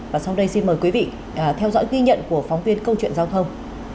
và sau đây xin mời quý vị theo dõi ghi nhận của phóng viên câu chuyện giao thông